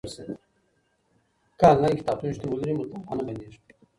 که انلاین کتابتون شتون ولري، مطالعه نه بندېږي.